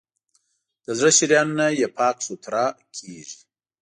د زړه شریانونه یې پاک سوتړه کېږي.